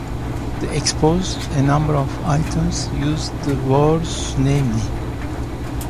The exposed a number of items used the wars, namely.